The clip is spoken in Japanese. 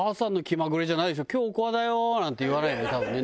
「今日おこわだよ」なんて言わないよね多分ね。